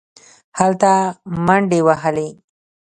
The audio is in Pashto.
هلته منډې وهلې.